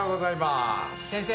先生！